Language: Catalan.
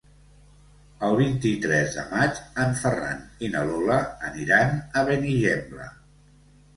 El vint-i-tres de maig en Ferran i na Lola aniran a Benigembla.